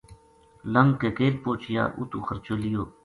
لنگھ کے کیل پوہچیا اُتو خرچو لیو